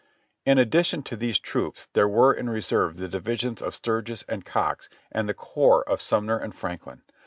In addition to these troops there were in reserve the divisions of Sturgis and Cox and the corps of Sumner and Franklin.